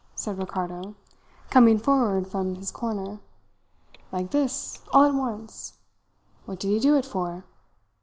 said Ricardo, coming forward from his corner. 'Like this all at once? What did he do it for?'